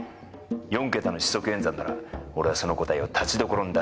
４桁の四則演算なら俺はその答えを立ちどころに出してみせる。